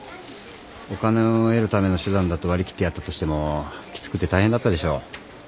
お金を得るための手段だと割り切ってやったとしてもきつくて大変だったでしょう。